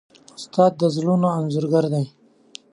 استاد د زړونو انځورګر دی.